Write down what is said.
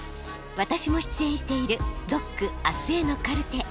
私も出演している「ＤＯＣあすへのカルテ」。